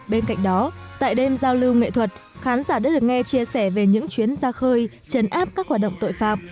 bên cạnh đó tại đêm giao lưu nghệ thuật khán giả đã được nghe chia sẻ về những chuyến ra khơi chấn áp các hoạt động tội phạm